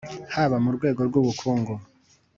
haba mu rwego rw'ubukungu,